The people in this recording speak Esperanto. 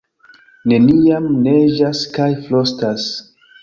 Neniam neĝas kaj frostas.